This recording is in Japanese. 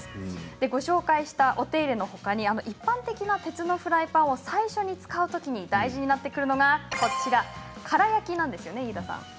ご紹介したお手入れのほかに一般的な鉄のフライパンを最初に使うときに大事になってくるのが空焼きなんですよね、飯田さん。